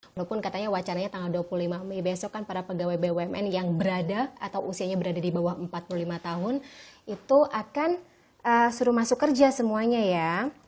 walaupun katanya wacananya tanggal dua puluh lima mei besok kan para pegawai bumn yang berada atau usianya berada di bawah empat puluh lima tahun itu akan suruh masuk kerja semuanya ya